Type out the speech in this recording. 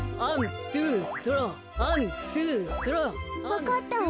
わかったわ。